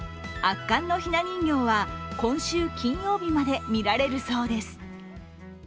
圧巻のひな人形は今週金曜日まで見られるそうです。